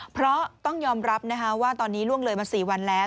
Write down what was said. เพราะต้องยอมรับนะคะว่าตอนนี้ล่วงเลยมา๔วันแล้ว